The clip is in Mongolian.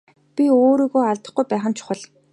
Бас өөрийгөө алдахгүй байх нь чухал.